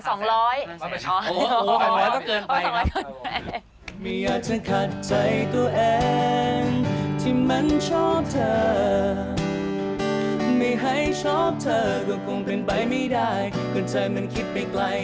อ๋อ๒๐๐ก็เกินไปครับ